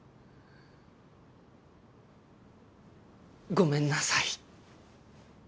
ごめんなさい。